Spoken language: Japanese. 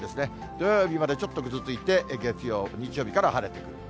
土曜日までちょっとぐずついて、月曜、日曜日から晴れてくると。